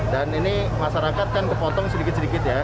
dan ini masyarakat kan kepotong sedikit sedikit ya